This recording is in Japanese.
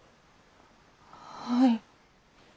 はい。